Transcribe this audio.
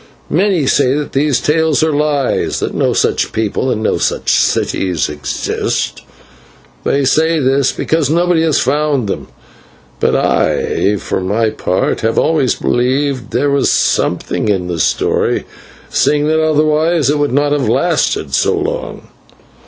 Many say that these tales are lies, that no such people and no such cities exist, and they say this because nobody has found them; but I, for my part, have always believed there was something in the story, seeing that otherwise it would not have lasted so long.